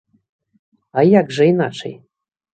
А як жа іначай!?